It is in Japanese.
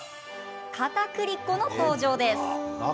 かたくり粉の登場です。